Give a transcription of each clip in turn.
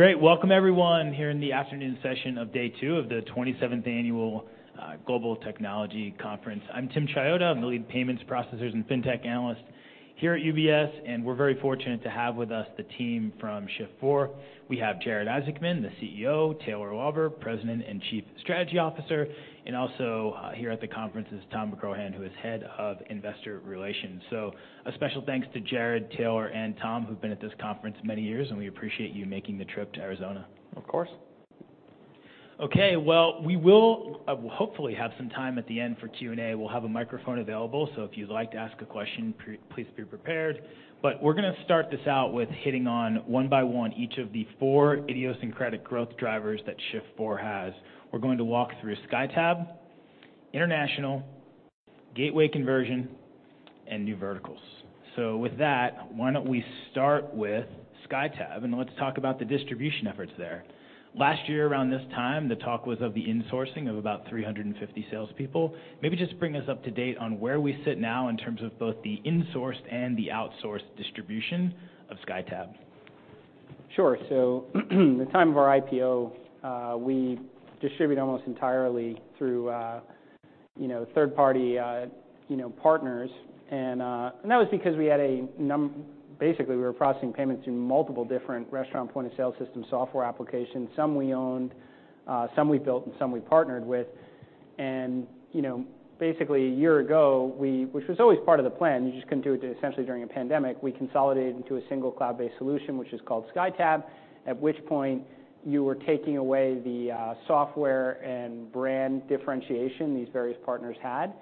Great. Welcome everyone, here in the afternoon session of day two of the 27th Annual Global Technology Conference. I'm Tim Chiodo. I'm the lead payments, processors, and FinTech analyst here at UBS, and we're very fortunate to have with us the team from Shift4. We have Jared Isaacman, the CEO, Taylor Lauber, President and Chief Strategy Officer, and also here at the conference is Tom McCrohan, who is Head of Investor Relations. So a special thanks to Jared, Taylor, and Tom, who've been at this conference many years, and we appreciate you making the trip to Arizona. Of course. Okay, well, we will hopefully have some time at the end for Q&A. We'll have a microphone available, so if you'd like to ask a question, please be prepared. But we're gonna start this out with hitting on, one by one, each of the four idiosyncratic growth drivers that Shift4 has. We're going to walk through SkyTab, international, gateway conversion, and new verticals. So with that, why don't we start with SkyTab, and let's talk about the distribution efforts there. Last year around this time, the talk was of the insourcing of about 350 salespeople. Maybe just bring us up to date on where we sit now in terms of both the insourced and the outsourced distribution of SkyTab. Sure. So, at the time of our IPO, we distributed almost entirely through, you know, third-party, you know, partners, and. That was because basically, we were processing payments in multiple different restaurant point-of-sale system software applications. Some we owned, some we built, and some we partnered with. You know, basically a year ago, which was always part of the plan, you just couldn't do it essentially during a pandemic, we consolidated into a single cloud-based solution, which is called SkyTab, at which point you were taking away the software and brand differentiation these various partners had.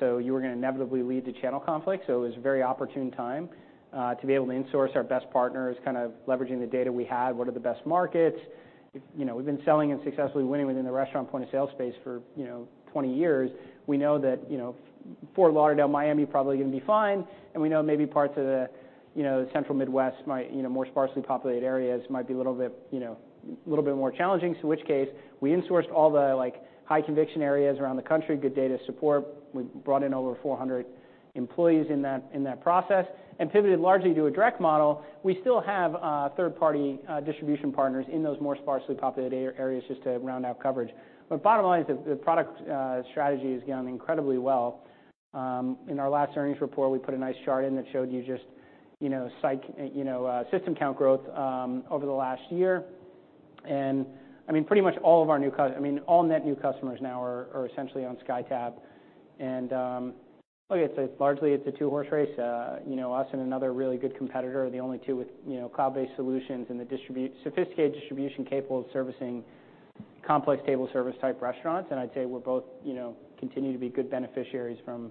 So you were gonna inevitably lead to channel conflict, so it was a very opportune time to be able to insource our best partners, kind of leveraging the data we had. What are the best markets? If, you know, we've been selling and successfully winning within the restaurant point-of-sale space for, you know, 20 years, we know that, you know, Fort Lauderdale, Miami, probably gonna be fine, and we know maybe parts of the, you know, central Midwest might, you know, more sparsely populated areas might be a little bit, you know, a little bit more challenging. So in which case, we insourced all the, like, high conviction areas around the country, good data support. We brought in over 400 employees in that process and pivoted largely to a direct model. We still have third-party distribution partners in those more sparsely populated areas just to round out coverage. But bottom line is the product strategy has gone incredibly well. In our last earnings report, we put a nice chart in that showed you just, you know, system count growth over the last year. And I mean, pretty much all of our new cus- I mean, all net new customers now are essentially on SkyTab. And look, it's largely a two-horse race. You know, us and another really good competitor are the only two with, you know, cloud-based solutions and the sophisticated distribution capable of servicing complex table service type restaurants. And I'd say we're both, you know, continue to be good beneficiaries from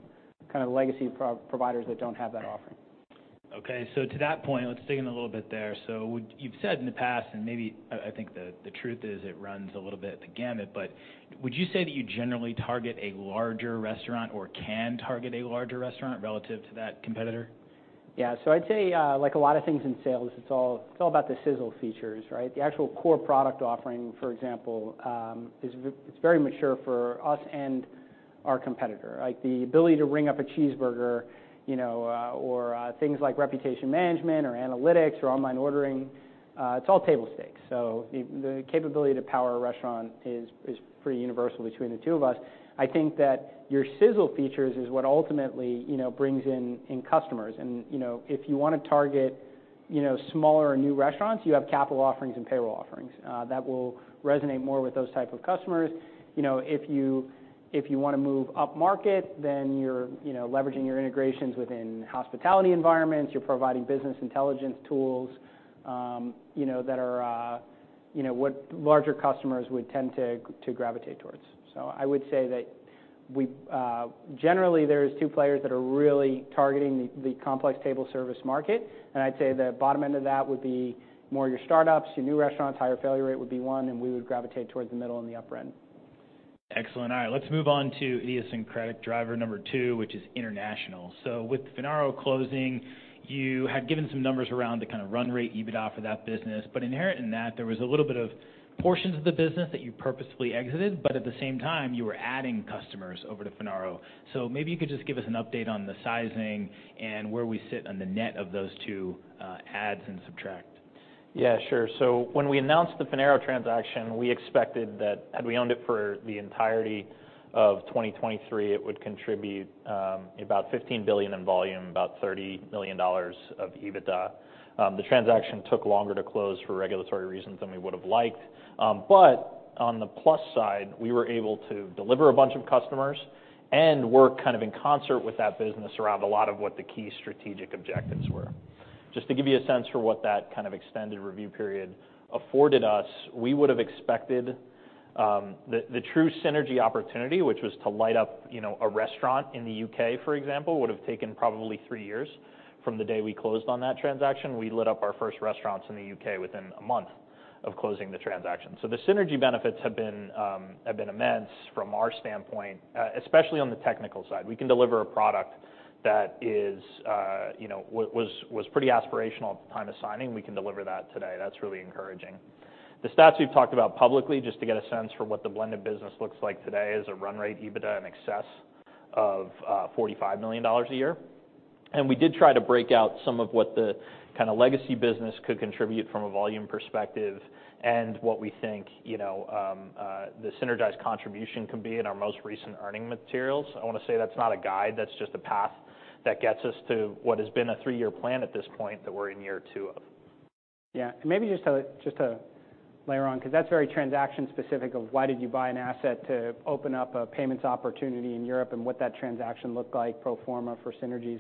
kind of legacy providers that don't have that offering. Okay, so to that point, let's dig in a little bit there. So would—you've said in the past, and maybe I think the truth is it runs a little bit the gamut, but would you say that you generally target a larger restaurant or can target a larger restaurant relative to that competitor? Yeah. So I'd say, like a lot of things in sales, it's all, it's all about the sizzle features, right? The actual core product offering, for example, it's very mature for us and our competitor. Like the ability to ring up a cheeseburger, you know, or things like reputation management or analytics or online ordering, it's all table stakes. So the, the capability to power a restaurant is, is pretty universal between the two of us. I think that your sizzle features is what ultimately, you know, brings in, in customers. And, you know, if you want to target, you know, smaller or new restaurants, you have capital offerings and payroll offerings, that will resonate more with those type of customers. You know, if you wanna move upmarket, then you're, you know, leveraging your integrations within hospitality environments, you're providing business intelligence tools, you know, that are, you know, what larger customers would tend to gravitate towards. So I would say that we generally, there's two players that are really targeting the complex table service market, and I'd say the bottom end of that would be more your startups, your new restaurants, higher failure rate would be one, and we would gravitate towards the middle and the upper end. Excellent. All right, let's move on to idiosyncratic driver number two, which is international. So with Finaro closing, you had given some numbers around the kind of run rate EBITDA for that business, but inherent in that, there was a little bit of portions of the business that you purposefully exited, but at the same time, you were adding customers over to Finaro. So maybe you could just give us an update on the sizing and where we sit on the net of those two, adds and subtract. Yeah, sure. So when we announced the Finaro transaction, we expected that had we owned it for the entirety of 2023, it would contribute about $15 billion in volume, about $30 million of EBITDA. The transaction took longer to close for regulatory reasons than we would have liked. But on the plus side, we were able to deliver a bunch of customers and work kind of in concert with that business around a lot of what the key strategic objectives were. Just to give you a sense for what that kind of extended review period afforded us, we would have expected the true synergy opportunity, which was to light up, you know, a restaurant in the UK, for example, would have taken probably 3 years from the day we closed on that transaction. We lit up our first restaurants in the UK within a month of closing the transaction. So the synergy benefits have been, have been immense from our standpoint, especially on the technical side. We can deliver a product that is, you know, was, was pretty aspirational at the time of signing. We can deliver that today. That's really encouraging... The stats we've talked about publicly, just to get a sense for what the blended business looks like today, is a run rate EBITDA in excess of, $45 million a year. And we did try to break out some of what the kind of legacy business could contribute from a volume perspective and what we think, you know, the synergized contribution can be in our most recent earnings materials. I want to say that's not a guide, that's just a path that gets us to what has been a three-year plan at this point, that we're in year two of. Yeah. Maybe just to layer on, 'cause that's very transaction specific of why did you buy an asset to open up a payments opportunity in Europe and what that transaction looked like pro forma for synergies.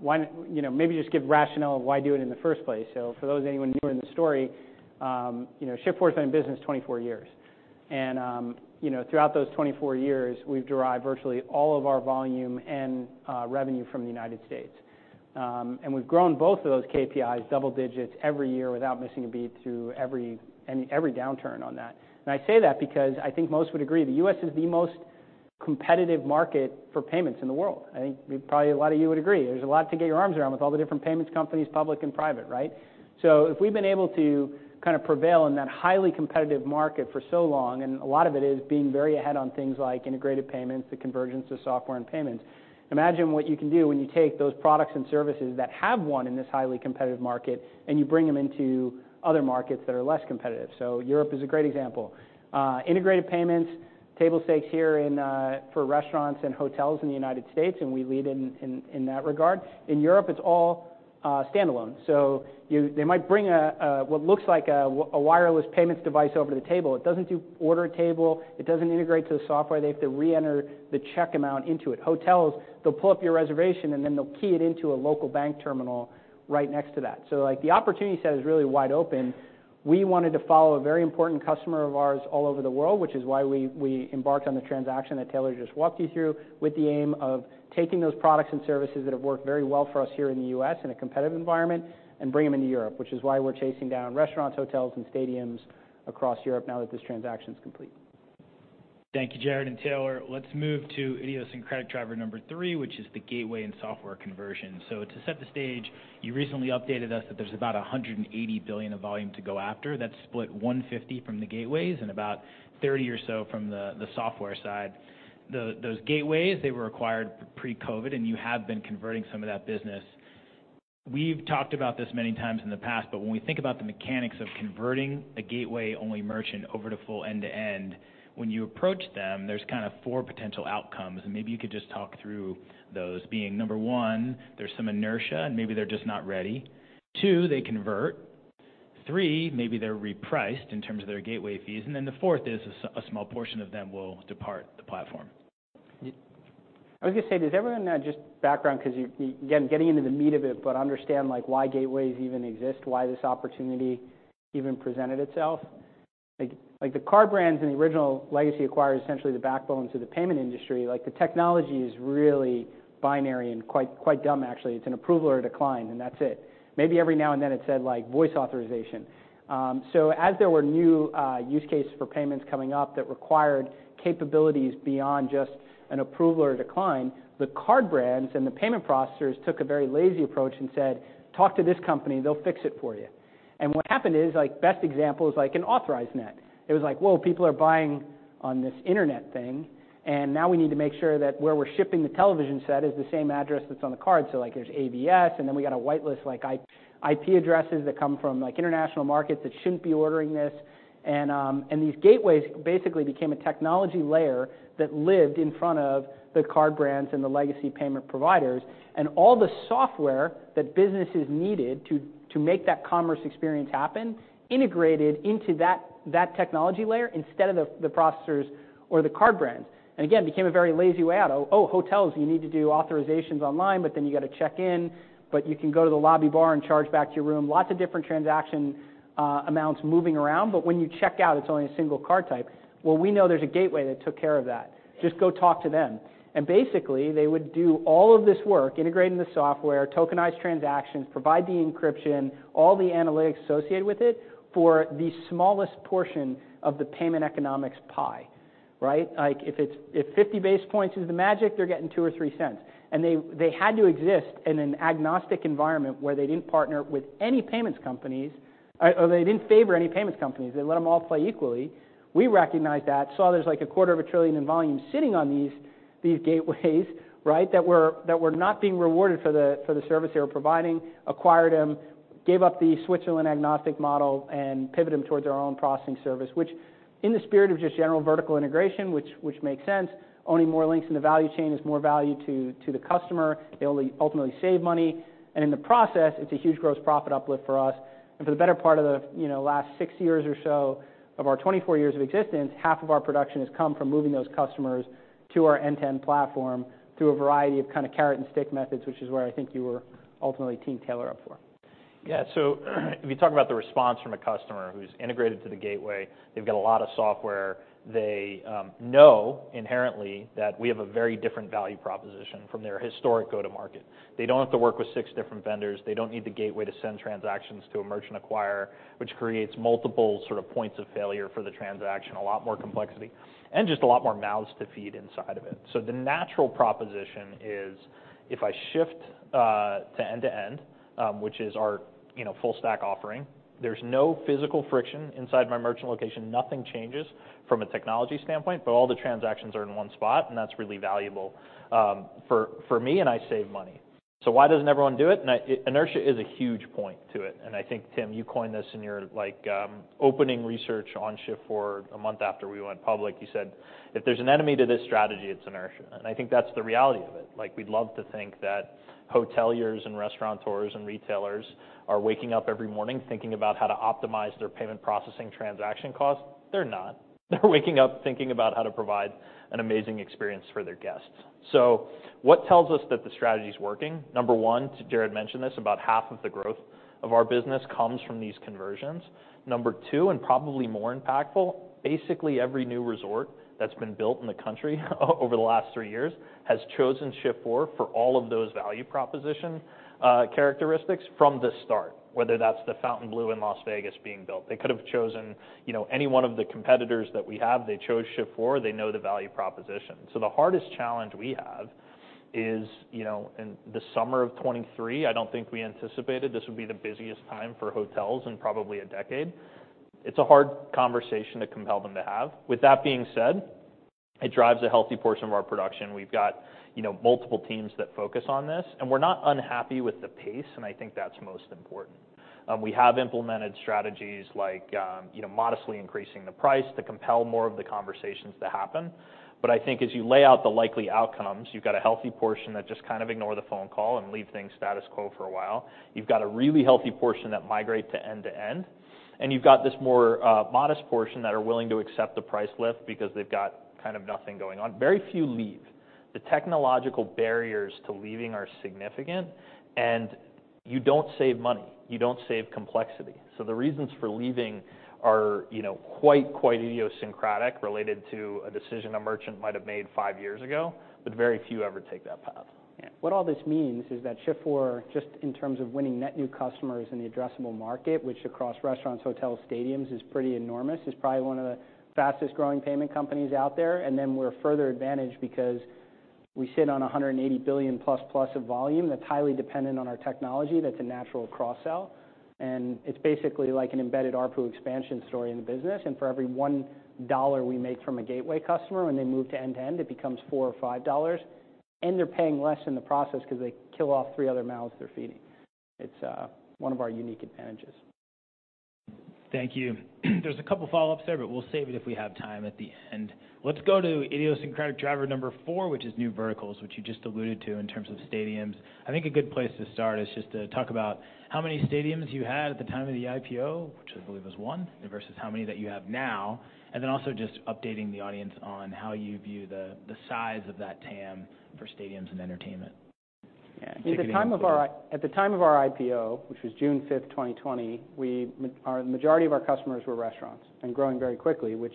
Why, you know, maybe just give rationale of why do it in the first place. So for those anyone new in the story, you know, Shift4's been in business 24 years. And, you know, throughout those 24 years, we've derived virtually all of our volume and revenue from the United States. And we've grown both of those KPIs double digits every year without missing a beat through every downturn on that. And I say that because I think most would agree, the U.S. is the most competitive market for payments in the world. I think probably a lot of you would agree. There's a lot to get your arms around with all the different payments companies, public and private, right? So if we've been able to kind of prevail in that highly competitive market for so long, and a lot of it is being very ahead on things like integrated payments, the convergence of software and payments, imagine what you can do when you take those products and services that have won in this highly competitive market, and you bring them into other markets that are less competitive. So Europe is a great example. Integrated payments, table stakes here in for restaurants and hotels in the United States, and we lead in that regard. In Europe, it's all standalone. So they might bring a what looks like a wireless payments device over to the table. It doesn't do order at table. It doesn't integrate to the software. They have to reenter the check amount into it. Hotels, they'll pull up your reservation, and then they'll key it into a local bank terminal right next to that. So, like, the opportunity set is really wide open. We wanted to follow a very important customer of ours all over the world, which is why we embarked on the transaction that Taylor just walked you through, with the aim of taking those products and services that have worked very well for us here in the U.S. in a competitive environment and bring them into Europe, which is why we're chasing down restaurants, hotels, and stadiums across Europe now that this transaction is complete. Thank you, Jared and Taylor. Let's move to idiosyncratic driver number three, which is the gateway and software conversion. So to set the stage, you recently updated us that there's about $180 billion of volume to go after. That's split $150 billion from the gateways and about $30 billion or so from the software side. Those gateways, they were acquired pre-COVID, and you have been converting some of that business. We've talked about this many times in the past, but when we think about the mechanics of converting a gateway-only merchant over to full end-to-end, when you approach them, there's kind of four potential outcomes, and maybe you could just talk through those being, number one, there's some inertia and maybe they're just not ready. Two, they convert. Three, maybe they're repriced in terms of their gateway fees. And then the fourth is, a small portion of them will depart the platform. I was going to say, does everyone know just background, 'cause you, again, getting into the meat of it, but understand, like, why gateways even exist, why this opportunity even presented itself? Like, like the card brands and the original legacy acquirers are essentially the backbone to the payment industry. Like, the technology is really binary and quite, quite dumb, actually. It's an approval or a decline, and that's it. Maybe every now and then it said, like, voice authorization. So as there were new use cases for payments coming up that required capabilities beyond just an approval or a decline, the card brands and the payment processors took a very lazy approach and said, "Talk to this company, they'll fix it for you." And what happened is, like, best example is, like, Authorize.Net. It was like, whoa, people are buying on this internet thing, and now we need to make sure that where we're shipping the television set is the same address that's on the card. So, like, there's AVS, and then we got a whitelist, like, IP addresses that come from, like, international markets that shouldn't be ordering this. And, and these gateways basically became a technology layer that lived in front of the card brands and the legacy payment providers, and all the software that businesses needed to make that commerce experience happen integrated into that technology layer instead of the processors or the card brands. And again, became a very lazy way out. Oh, hotels, you need to do authorizations online, but then you got to check in, but you can go to the lobby bar and charge back to your room. Lots of different transaction amounts moving around, but when you check out, it's only a single card type. Well, we know there's a gateway that took care of that. Just go talk to them. And basically, they would do all of this work, integrating the software, tokenize transactions, provide the encryption, all the analytics associated with it, for the smallest portion of the payment economics pie, right? Like, if 50 basis points is the magic, they're getting $0.02-$0.03. And they had to exist in an agnostic environment where they didn't partner with any payments companies, or they didn't favor any payments companies. They let them all play equally. We recognized that, saw there's, like, $250 billion in volume sitting on these gateways, right? That were not being rewarded for the service they were providing, acquired them, gave up the Switzerland agnostic model, and pivoted them towards our own processing service, which in the spirit of just general vertical integration, which makes sense, owning more links in the value chain is more value to the customer. It'll ultimately save money, and in the process, it's a huge gross profit uplift for us. And for the better part of the, you know, last 6 years or so of our 24 years of existence, half of our production has come from moving those customers to our end-to-end platform through a variety of kind of carrot and stick methods, which is where I think you were ultimately teeing Taylor up for. Yeah, so if you talk about the response from a customer who's integrated to the gateway, they've got a lot of software. They know inherently that we have a very different value proposition from their historic go-to-market. They don't have to work with six different vendors. They don't need the gateway to send transactions to a merchant acquirer, which creates multiple sort of points of failure for the transaction, a lot more complexity, and just a lot more mouths to feed inside of it. So the natural proposition is, if I shift to end-to-end, which is our, you know, full stack offering, there's no physical friction inside my merchant location. Nothing changes from a technology standpoint, but all the transactions are in one spot, and that's really valuable for me, and I save money. So why doesn't everyone do it? And I, inertia is a huge point to it, and I think, Tim, you coined this in your, like, opening research on Shift4 a month after we went public. You said, "If there's an enemy to this strategy, it's inertia." And I think that's the reality of it. Like, we'd love to think that hoteliers and restaurateurs and retailers are waking up every morning thinking about how to optimize their payment processing transaction costs. They're not. They're waking up thinking about how to provide an amazing experience for their guests. So what tells us that the strategy is working? Number one, to Jared mentioned this, about half of the growth of our business comes from these conversions. Number two, and probably more impactful, basically, every new resort that's been built in the country over the last three years has chosen Shift4 for all of those value proposition characteristics from the start, whether that's the Fontainebleau in Las Vegas being built. They could have chosen, you know, any one of the competitors that we have. They chose Shift4. They know the value proposition. So the hardest challenge we have is, you know, in the summer of 2023, I don't think we anticipated this would be the busiest time for hotels in probably a decade. It's a hard conversation to compel them to have. With that being said, it drives a healthy portion of our production. We've got, you know, multiple teams that focus on this, and we're not unhappy with the pace, and I think that's most important. We have implemented strategies like, you know, modestly increasing the price to compel more of the conversations to happen. But I think as you lay out the likely outcomes, you've got a healthy portion that just kind of ignore the phone call and leave things status quo for a while. You've got a really healthy portion that migrate to end-to-end, and you've got this more modest portion that are willing to accept the price lift because they've got kind of nothing going on. Very few leave. The technological barriers to leaving are significant, and you don't save money, you don't save complexity. So the reasons for leaving are, you know, quite, quite idiosyncratic, related to a decision a merchant might have made five years ago, but very few ever take that path. What all this means is that Shift4, just in terms of winning net new customers in the addressable market, which across restaurants, hotels, stadiums, is pretty enormous, is probably one of the fastest-growing payment companies out there. And then we're further advantaged because we sit on $180 billion plus of volume that's highly dependent on our technology. That's a natural cross-sell, and it's basically like an embedded ARPU expansion story in the business, and for every $1 we make from a gateway customer, when they move to end-to-end, it becomes $4 or $5, and they're paying less in the process because they kill off 3 other mouths they're feeding. It's one of our unique advantages. Thank you. There's a couple follow-ups there, but we'll save it if we have time at the end. Let's go to idiosyncratic driver number 4, which is new verticals, which you just alluded to in terms of stadiums. I think a good place to start is just to talk about how many stadiums you had at the time of the IPO, which I believe was 1, versus how many that you have now, and then also just updating the audience on how you view the size of that TAM for stadiums and entertainment. Yeah, at the time of our IPO, which was June 5, 2020, our majority of our customers were restaurants and growing very quickly, which,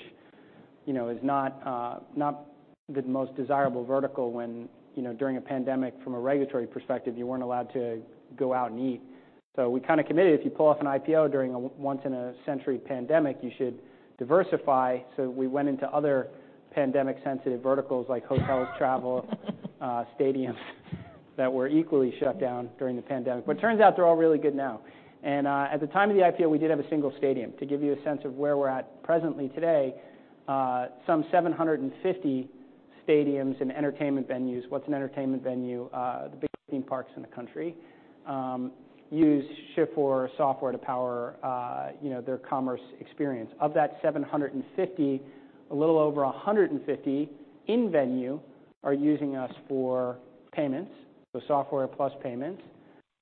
you know, is not, not the most desirable vertical when, you know, during a pandemic, from a regulatory perspective, you weren't allowed to go out and eat. So we kinda committed, if you pull off an IPO during a once-in-a-century pandemic, you should diversify. So we went into other pandemic-sensitive verticals like hotels, travel, stadiums that were equally shut down during the pandemic. But it turns out they're all really good now, and, at the time of the IPO, we did have a single stadium. To give you a sense of where we're at presently today, some 750 stadiums and entertainment venues. What's an entertainment venue? The biggest theme parks in the country use Shift4 software to power, you know, their commerce experience. Of that 750, a little over 150 in venue are using us for payments, so software plus payments.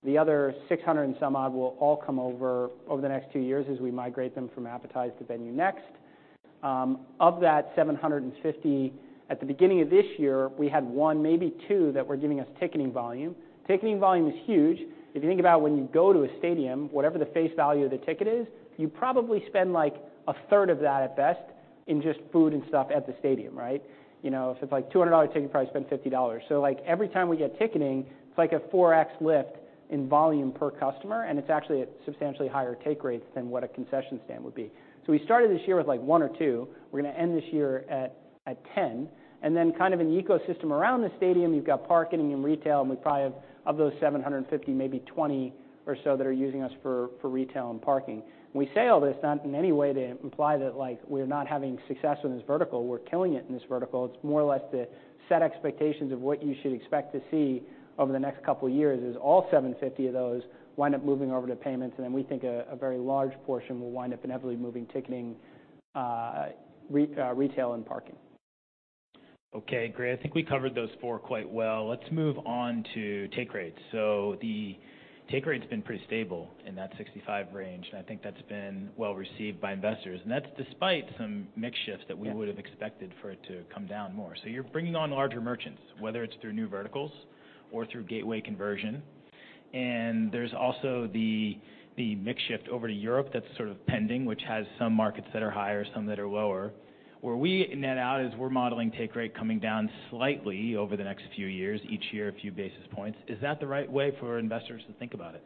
The other 600 and some odd will all come over over the next two years as we migrate them from Appetize to VenueNext. Of that 750, at the beginning of this year, we had one, maybe two, that were giving us ticketing volume. Ticketing volume is huge. If you think about when you go to a stadium, whatever the face value of the ticket is, you probably spend, like, a third of that at best, in just food and stuff at the stadium, right? You know, if it's like $200 ticket, you probably spend $50. So, like, every time we get ticketing, it's like a 4x lift in volume per customer, and it's actually a substantially higher take rate than what a concession stand would be. So we started this year with, like, 1 or 2. We're gonna end this year at 10, and then kind of in the ecosystem around the stadium, you've got parking and retail, and we probably have, of those 750, maybe 20 or so that are using us for retail and parking. We say all this not in any way to imply that, like, we're not having success in this vertical. We're killing it in this vertical. It's more or less to set expectations of what you should expect to see over the next couple of years, is all 750 of those wind up moving over to payments, and then we think a very large portion will wind up inevitably moving ticketing, retail, and parking. Okay, great. I think we covered those four quite well. Let's move on to take rates. So the take rate's been pretty stable in that 65 range, and I think that's been well-received by investors, and that's despite some mix shifts that we would have expected for it to come down more. So you're bringing on larger merchants, whether it's through new verticals or through gateway conversion, and there's also the mix shift over to Europe that's sort of pending, which has some markets that are higher, some that are lower. Where we net out is we're modeling take rate coming down slightly over the next few years, each year, a few basis points. Is that the right way for investors to think about it?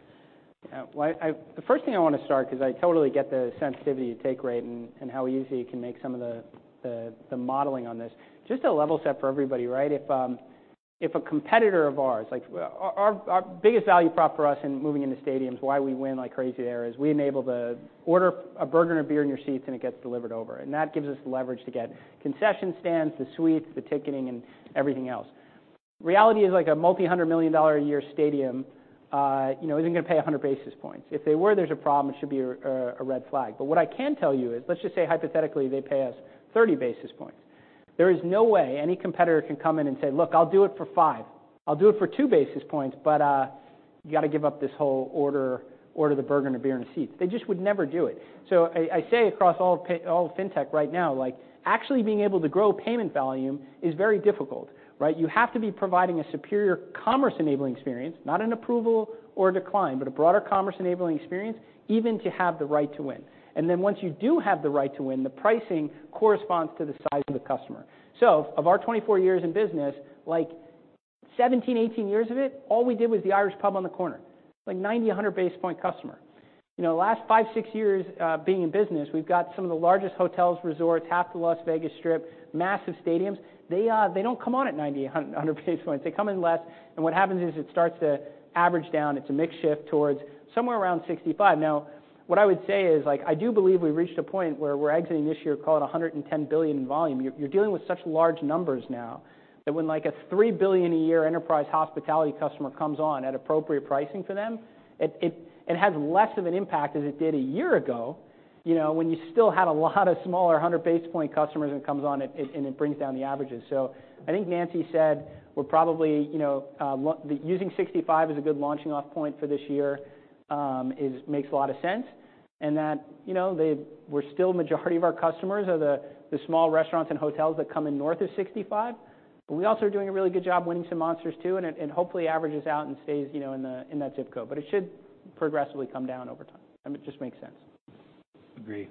Yeah. Well, I... The first thing I want to start, because I totally get the sensitivity to take rate and how easy you can make some of the modeling on this, just to level set for everybody, right? If, if a competitor of ours, like our biggest value prop for us in moving into stadiums, why we win like crazy there is we enable to order a burger and a beer in your seats, and it gets delivered over, and that gives us the leverage to get concession stands, the suites, the ticketing, and everything else.... Reality is like a $multi-hundred million-a-year stadium, you know, isn't gonna pay 100 basis points. If they were, there's a problem, it should be a red flag. But what I can tell you is, let's just say hypothetically, they pay us 30 basis points. There is no way any competitor can come in and say, "Look, I'll do it for 5. I'll do it for 2 basis points, but you got to give up this whole order, order the burger and a beer in a seat." They just would never do it. So I say across all fintech right now, like, actually being able to grow payment volume is very difficult, right? You have to be providing a superior commerce-enabling experience, not an approval or decline, but a broader commerce-enabling experience, even to have the right to win. And then once you do have the right to win, the pricing corresponds to the size of the customer. So of our 24 years in business, like 17, 18 years of it, all we did was the Irish pub on the corner, like 90, 100 basis point customer. You know, the last five, six years being in business, we've got some of the largest hotels, resorts, half the Las Vegas Strip, massive stadiums. They, they don't come on at 90, 100, 100 basis points. They come in less, and what happens is it starts to average down. It's a mix shift towards somewhere around 65. Now, what I would say is, like, I do believe we reached a point where we're exiting this year, call it $110 billion in volume. You're dealing with such large numbers now, that when like a $3 billion a year enterprise hospitality customer comes on at appropriate pricing for them, it has less of an impact than it did a year ago, you know, when you still had a lot of smaller 100 basis point customers, and comes on, it brings down the averages. So I think Nancy said we're probably, you know, using 65 is a good launching off point for this year, makes a lot of sense, and that, you know, we're still majority of our customers are the small restaurants and hotels that come in north of 65. But we also are doing a really good job winning some monsters, too, and hopefully averages out and stays, you know, in that zip code. But it should progressively come down over time. I mean, it just makes sense. Agreed.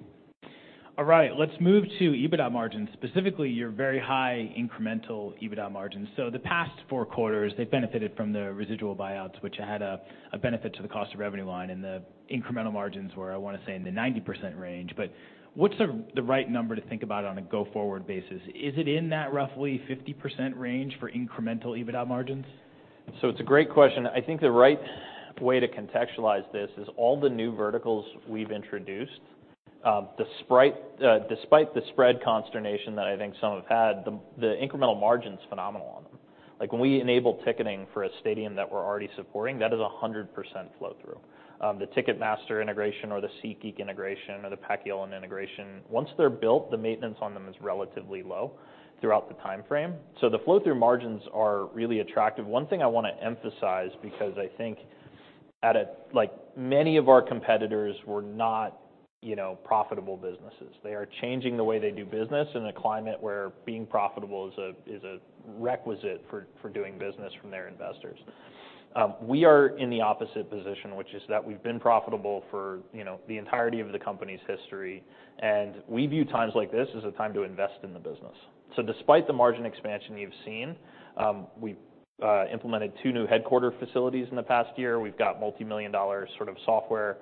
All right, let's move to EBITDA margins, specifically your very high incremental EBITDA margins. So the past four quarters, they've benefited from the residual buyouts, which had a benefit to the cost of revenue line, and the incremental margins were, I want to say, in the 90% range. But what's the right number to think about on a go-forward basis? Is it in that roughly 50% range for incremental EBITDA margins? So it's a great question. I think the right way to contextualize this is all the new verticals we've introduced, despite the spread consternation that I think some have had, the incremental margin's phenomenal on them. Like, when we enable ticketing for a stadium that we're already supporting, that is 100% flow through. The Ticketmaster integration or the SeatGeek integration or the Paciolan integration, once they're built, the maintenance on them is relatively low throughout the time frame. So the flow through margins are really attractive. One thing I want to emphasize, because I think at a... Like, many of our competitors were not, you know, profitable businesses. They are changing the way they do business in a climate where being profitable is a requisite for doing business from their investors. We are in the opposite position, which is that we've been profitable for, you know, the entirety of the company's history, and we view times like this as a time to invest in the business. So despite the margin expansion you've seen, we've implemented two new headquarter facilities in the past year. We've got multimillion-dollar sort of software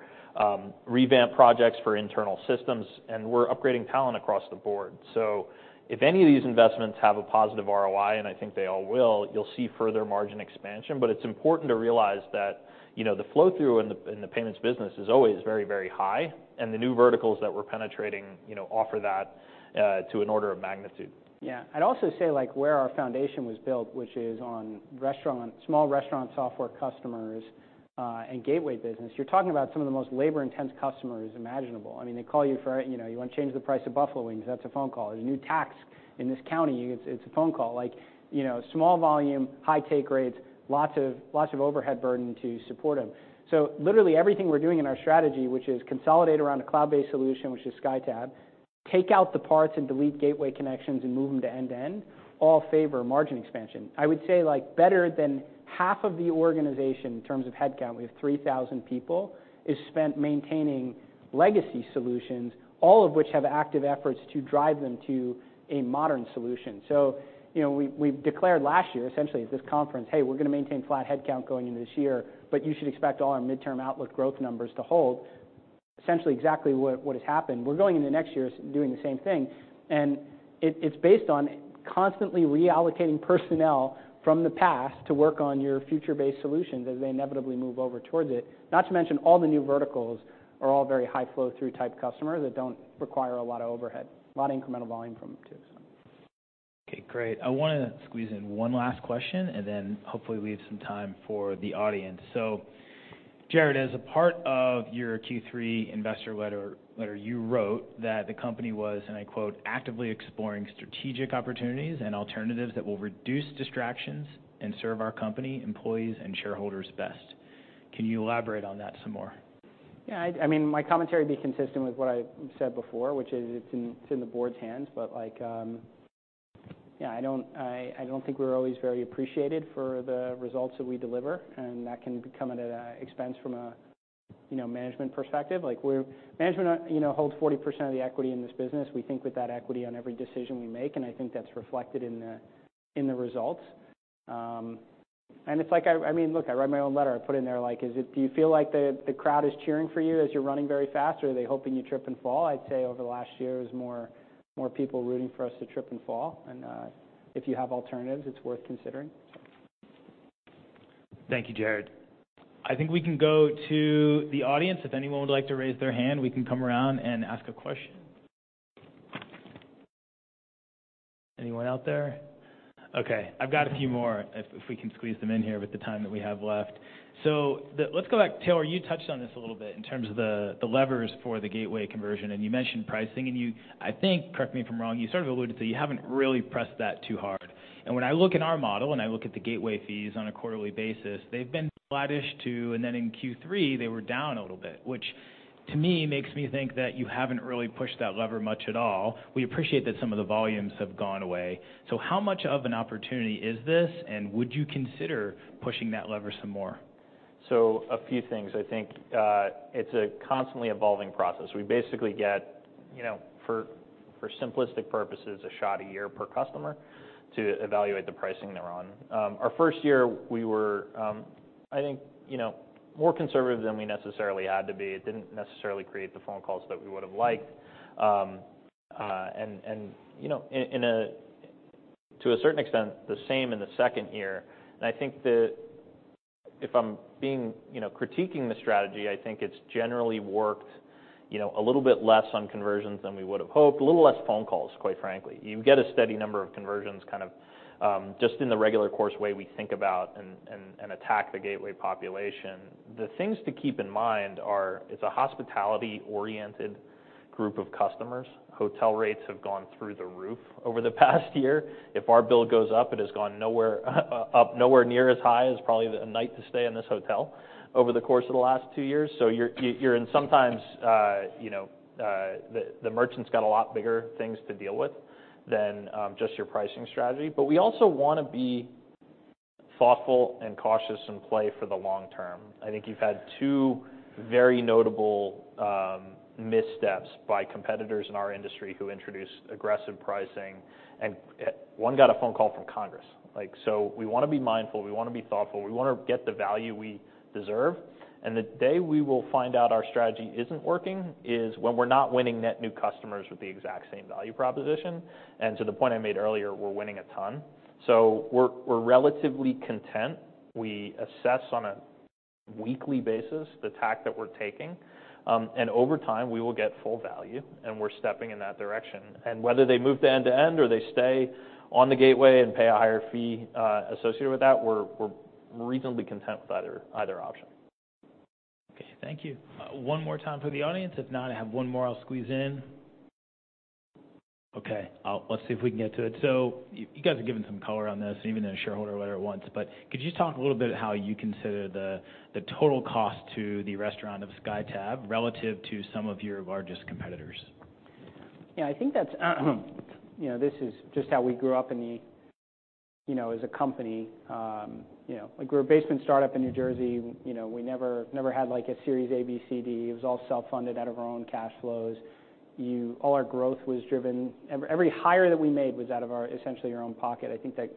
revamp projects for internal systems, and we're upgrading talent across the board. So if any of these investments have a positive ROI, and I think they all will, you'll see further margin expansion. But it's important to realize that, you know, the flow-through in the payments business is always very, very high, and the new verticals that we're penetrating, you know, offer that to an order of magnitude. Yeah. I'd also say, like, where our foundation was built, which is on restaurant-small restaurant software customers, and gateway business, you're talking about some of the most labor-intensive customers imaginable. I mean, they call you for, you know, you want to change the price of buffalo wings. That's a phone call. There's a new tax in this county. It's, it's a phone call, like, you know, small volume, high take rates, lots of, lots of overhead burden to support them. So literally everything we're doing in our strategy, which is consolidate around a cloud-based solution, which is SkyTab, take out the parts and delete gateway connections and move them to end-to-end, all favor margin expansion. I would say, like, better than half of the organization in terms of headcount, we have 3,000 people, is spent maintaining legacy solutions, all of which have active efforts to drive them to a modern solution. So, you know, we declared last year, essentially at this conference, "Hey, we're going to maintain flat headcount going into this year, but you should expect all our midterm outlook growth numbers to hold," essentially exactly what has happened. We're going into next year doing the same thing, and it's based on constantly reallocating personnel from the past to work on your future-based solutions as they inevitably move over towards it. Not to mention, all the new verticals are all very high flow through type customers that don't require a lot of overhead, a lot of incremental volume from them, too, so. Okay, great. I want to squeeze in one last question and then hopefully leave some time for the audience. So Jared, as a part of your Q3 investor letter, you wrote that the company was, and I quote, "actively exploring strategic opportunities and alternatives that will reduce distractions and serve our company, employees, and shareholders best." Can you elaborate on that some more? Yeah, I mean, my commentary would be consistent with what I've said before, which is it's in the board's hands, but like, yeah, I don't think we're always very appreciated for the results that we deliver, and that can come at a expense from a, you know, management perspective. Like, we're management, you know, holds 40% of the equity in this business. We think with that equity on every decision we make, and I think that's reflected in the results. And it's like, I mean, look, I write my own letter. I put in there, like, is it? Do you feel like the crowd is cheering for you as you're running very fast, or are they hoping you trip and fall? I'd say over the last year, there's more, more people rooting for us to trip and fall, and if you have alternatives, it's worth considering. Thank you, Jared. I think we can go to the audience. If anyone would like to raise their hand, we can come around and ask a question... Anyone out there? Okay, I've got a few more if, if we can squeeze them in here with the time that we have left. So the, let's go back. Taylor, you touched on this a little bit in terms of the, the levers for the gateway conversion, and you mentioned pricing, and you, I think, correct me if I'm wrong, you sort of alluded that you haven't really pressed that too hard. And when I look at our model, and I look at the gateway fees on a quarterly basis, they've been flattish too, and then in Q3, they were down a little bit, which to me, makes me think that you haven't really pushed that lever much at all. We appreciate that some of the volumes have gone away. So how much of an opportunity is this, and would you consider pushing that lever some more? So a few things. I think it's a constantly evolving process. We basically get, you know, for simplistic purposes, a shot a year per customer to evaluate the pricing they're on. Our first year we were, I think, you know, more conservative than we necessarily had to be. It didn't necessarily create the phone calls that we would have liked. And you know, to a certain extent, the same in the second year. And I think that if I'm being, you know, critiquing the strategy, I think it's generally worked, you know, a little bit less on conversions than we would have hoped. A little less phone calls, quite frankly. You get a steady number of conversions, kind of, just in the regular course way we think about and attack the gateway population. The things to keep in mind are, it's a hospitality-oriented group of customers. Hotel rates have gone through the roof over the past year. If our bill goes up, it has gone nowhere up, nowhere near as high as probably the night to stay in this hotel over the course of the last two years. So you're in sometimes, you know, the merchant's got a lot bigger things to deal with than just your pricing strategy. But we also wanna be thoughtful and cautious and play for the long term. I think you've had two very notable missteps by competitors in our industry who introduced aggressive pricing, and one got a phone call from Congress. Like, so we wanna be mindful, we wanna be thoughtful, we wanna get the value we deserve, and the day we will find out our strategy isn't working is when we're not winning net new customers with the exact same value proposition. And to the point I made earlier, we're winning a ton, so we're relatively content. We assess on a weekly basis the tack that we're taking, and over time, we will get full value, and we're stepping in that direction. And whether they move to end-to-end or they stay on the gateway and pay a higher fee associated with that, we're reasonably content with either option. Okay, thank you. One more time for the audience. If not, I have one more I'll squeeze in. Okay, I'll--let's see if we can get to it. So you guys have given some color on this, and even in a shareholder letter once, but could you just talk a little bit how you consider the total cost to the restaurant of SkyTab relative to some of your largest competitors? Yeah, I think that's, you know, this is just how we grew up in the, you know, as a company. You know, like we're a basement startup in New Jersey. You know, we never, never had, like, a Series A, B, C, D. It was all self-funded out of our own cash flows. All our growth was driven. Every hire that we made was out of our, essentially, our own pocket. I think that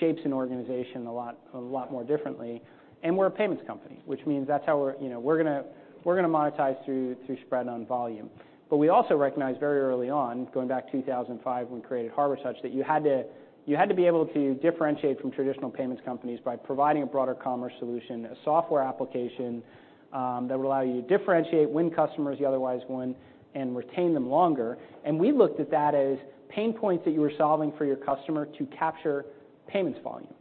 shapes an organization a lot, a lot more differently. And we're a payments company, which means that's how we're, you know, we're gonna, we're gonna monetize through, through spread on volume. But we also recognized very early on, going back to 2005, when we created Harbortouch, that you had to, you had to be able to differentiate from traditional payments companies by providing a broader commerce solution, a software application, that would allow you to differentiate, win customers you otherwise won, and retain them longer. And we looked at that as pain points that you were solving for your customer to capture payments volume,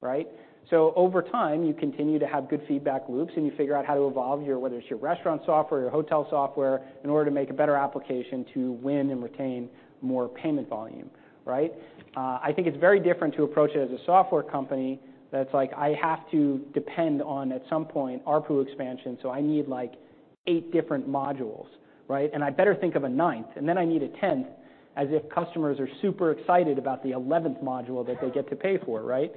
right? So over time, you continue to have good feedback loops, and you figure out how to evolve your, whether it's your restaurant software or hotel software, in order to make a better application to win and retain more payment volume, right? I think it's very different to approach it as a software company that's like, I have to depend on, at some point, ARPU expansion, so I need like eight different modules, right? And I better think of a ninth, and then I need a tenth, as if customers are super excited about the eleventh module that they get to pay for, right?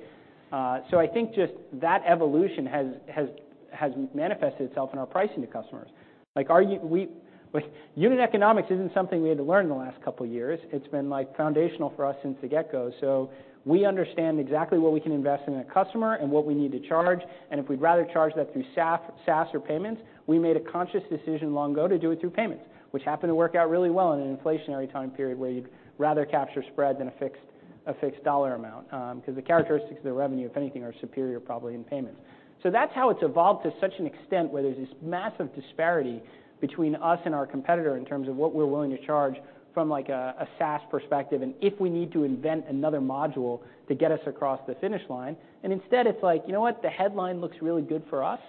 So I think just that evolution has manifested itself in our pricing to customers. Like, unit economics isn't something we had to learn in the last couple of years. It's been, like, foundational for us since the get-go. So we understand exactly what we can invest in a customer and what we need to charge, and if we'd rather charge that through SAF, SaaS or payments, we made a conscious decision long ago to do it through payments, which happened to work out really well in an inflationary time period, where you'd rather capture spread than a fixed, a fixed dollar amount, 'cause the characteristics of the revenue, if anything, are superior, probably in payments. So that's how it's evolved to such an extent, where there's this massive disparity between us and our competitor in terms of what we're willing to charge from like a, a SaaS perspective, and if we need to invent another module to get us across the finish line. And instead, it's like, you know what? The headline looks really good for us,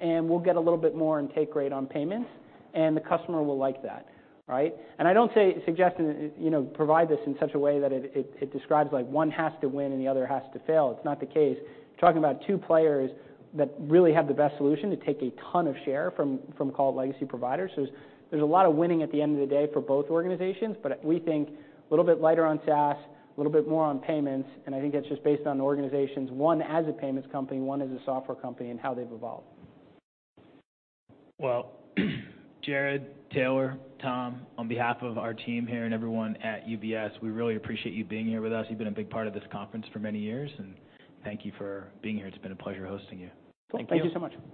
and we'll get a little bit more in take rate on payments, and the customer will like that, right? And I don't say - suggesting, you know, provide this in such a way that it describes like one has to win and the other has to fail. It's not the case. Talking about two players that really have the best solution to take a ton of share from so-called legacy providers. So there's a lot of winning at the end of the day for both organizations, but we think a little bit lighter on SaaS, a little bit more on payments, and I think that's just based on the organizations, one as a payments company, one as a software company, and how they've evolved. Well, Jared, Taylor, Tom, on behalf of our team here and everyone at UBS, we really appreciate you being here with us. You've been a big part of this conference for many years, and thank you for being here. It's been a pleasure hosting you. Thank you so much.